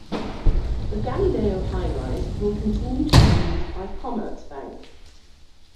The Gallileo highrise will continue to be used by Commerzbank.